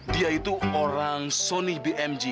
dia itu orang sony bmg